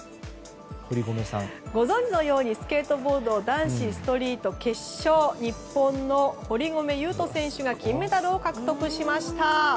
ご存じのようにスケートボード男子ストリート決勝日本の堀米雄斗選手が金メダルを獲得しました。